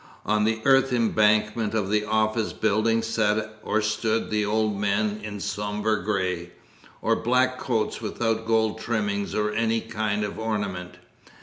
On the earth embankment of the office building sat or stood the old men in sober grey, or black coats without gold trimmings or any kind of ornament.